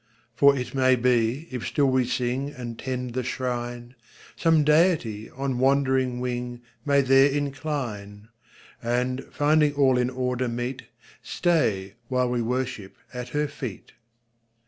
"For it may be, if still we sing And tend the Shrine, Some Deity on wandering wing May there incline; And, finding all in order meet, Stay while we worship at Her feet."